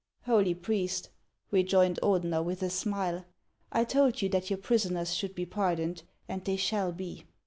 "Holy priest," rejoined Ordener, with a smile, "I told you that your prisoners should be pardoned, and they shall be."